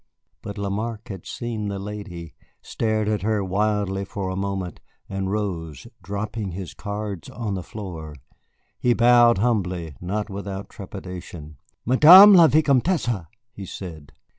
But Lamarque had seen the lady, stared at her wildly for a moment, and rose, dropping his cards on the floor. He bowed humbly, not without trepidation. "Madame la Vicomtesse!" he said.